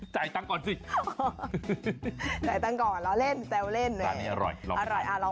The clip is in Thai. จ่ายตั้งก่อนเราเล่นแจ้วเล่น